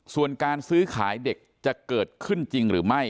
ส่วนการซื้อขายเด็กจะเกิดขึ้นจริงหรือไม่